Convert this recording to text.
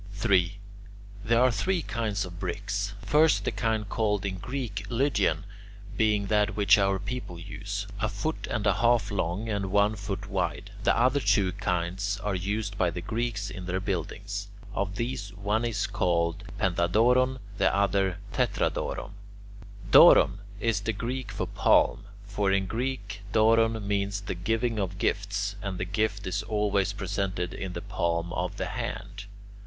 3. There are three kinds of bricks. First, the kind called in Greek Lydian, being that which our people use, a foot and a half long and one foot wide. The other two kinds are used by the Greeks in their buildings. Of these, one is called [Greek: pentadoron], the other [Greek: tetradoron]. [Greek: Doron] is the Greek for "palm," for in Greek [Greek: doron] means the giving of gifts, and the gift is always presented in the palm of the hand.